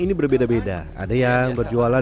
ini berbeda beda ada yang berjualan